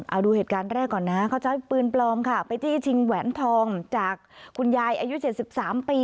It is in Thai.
เอาดูเหตุการณ์แรกก่อนนะเขาใช้ปืนปลอมค่ะไปจี้ชิงแหวนทองจากคุณยายอายุ๗๓ปี